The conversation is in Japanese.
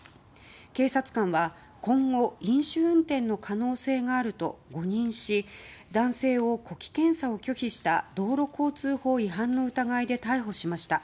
警察官は今後飲酒運転の可能性があると誤認し男性を、呼気検査を拒否した道路交通法違反の疑いで逮捕しました。